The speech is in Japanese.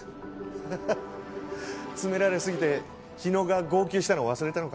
ハハ詰められ過ぎて日野が号泣したの忘れたのか？